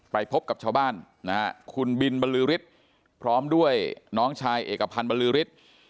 ไปพบกับชาวบ้านคุณบินมะลือริดพร้อมด้วยน้องชายเอกพันธ์มะลือริด